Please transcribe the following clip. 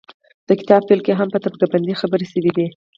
د کتاب پيل کې هم په طبقه باندې خبرې شوي دي